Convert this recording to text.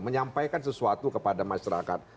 menyampaikan sesuatu kepada masyarakat